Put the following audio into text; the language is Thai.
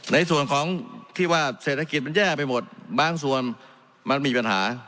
ในส่วนของที่ว่าเศรษฐกิจมันแย่ไปหมดบางส่วนมันมีปัญหา